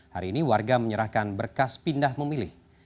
hari ini warga menyerahkan berkas pindah memilih